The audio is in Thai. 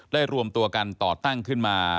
รวมตัวกันต่อตั้งขึ้นมา